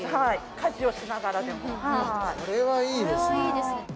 家事をしながらでもこれはいいですね